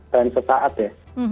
tren setaat ya